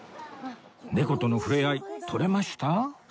猫との触れ合い撮れました？